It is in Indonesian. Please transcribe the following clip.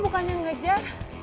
kok bukan yang ngejar